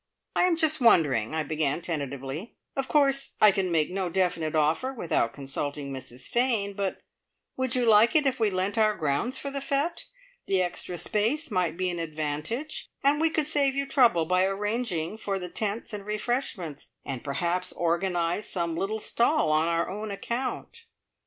"I am just wondering," I began tentatively. "Of course I can make no definite offer without consulting Mrs Fane, but would you like it if we lent our grounds for the fete? The extra space might be an advantage, and we could save you trouble by arranging for the tents and refreshments, and perhaps organise some little stall on our own account."